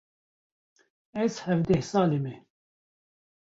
Ez hevdeh salî me.